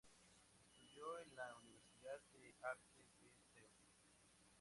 Estudió en la Universidad de Arte de Seúl.